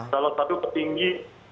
salah satu petinggi